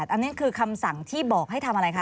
อันนี้คือคำสั่งที่บอกให้ทำอะไรคะ